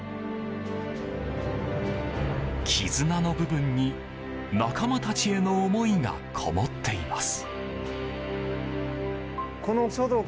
絆の部分に仲間たちへの思いがこもっています。